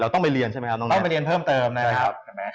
ต้องไปเรียนใช่ไหมครับต้องไปเรียนเพิ่มเติมนะครับ